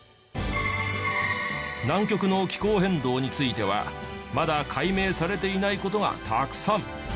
南極の気候変動についてはまだ解明されていない事がたくさん。